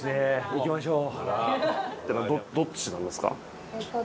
行きましょう。